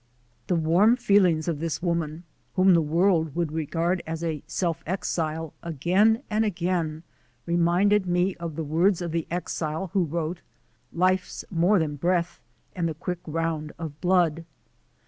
The warm feelings of this woman, whom the world would regard as a self exile, again and again reminded me of the words of the exile who wrote : "Life's more than breath and the quick round of blood."